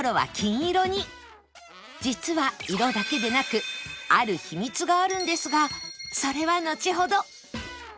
実は色だけでなくある秘密があるんですがそれはのちほど！